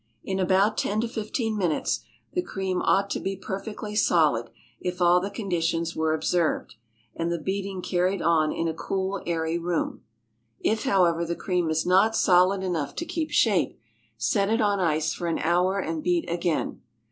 In about ten to fifteen minutes the cream ought to be perfectly solid if all the conditions were observed, and the beating carried on in a cool, airy room. If, however, the cream is not solid enough to keep shape, set it on ice for an hour and beat again.